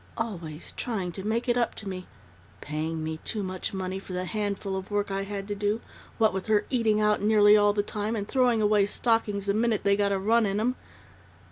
Always trying to make it up to me paying me too much money for the handful of work I had to do, what with her eating out nearly all the time and throwing away stockings the minute they got a run in 'em